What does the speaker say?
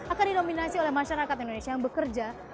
akan didominasi oleh masyarakat indonesia yang bekerja